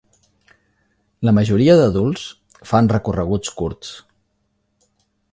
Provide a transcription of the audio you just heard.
La majoria d'adults fan recorreguts curts.